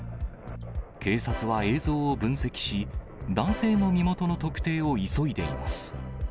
警察は映像を分析し、男性の身元の特定を急いでいます。